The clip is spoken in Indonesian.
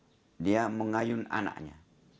itu dia mengayun anaknya